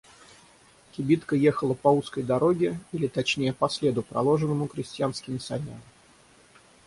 Кибитка ехала по узкой дороге, или точнее по следу, проложенному крестьянскими санями.